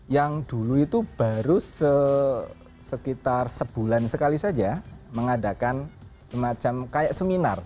yang dulu itu baru sekitar sebulan sekali saja mengadakan semacam kayak seminar